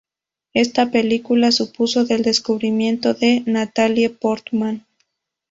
Esta película supuso el descubrimiento de Natalie Portman.